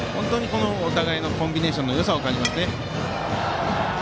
お互いのコンビネーションのよさを感じますね。